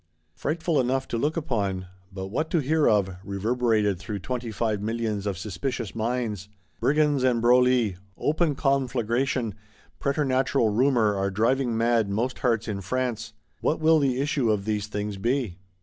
Frightful enough to look upon; but what to hear of, reverberated through Twenty five Millions of suspicious minds! Brigands and Broglie, open Conflagration, preternatural Rumour are driving mad most hearts in France. What will the issue of these things be?